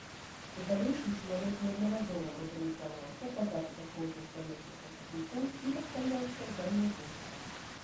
У далейшым самалёт неаднаразова мадэрнізаваўся па запытах розных замежных пакупнікоў і пастаўляўся за мяжу.